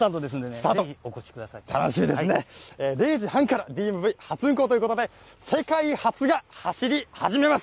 １２時半から、ＤＭＶ初運行ということで、世界初が走り始めます。